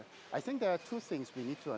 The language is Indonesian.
saya pikir ada dua hal yang perlu kita pahami